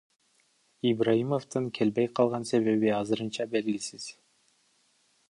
Ибраимовдун келбей калган себеби азырынча белгисиз.